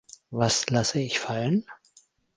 Was lasse ich fallen?